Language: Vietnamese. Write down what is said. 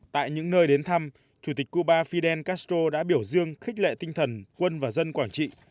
tại những nơi đến thăm chủ tịch cuba fidel castro đã biểu dương khích lệ tinh thần quân và dân quảng trị